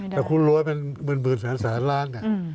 แต่คุณรวยเป็นหมื่นแสนล้าน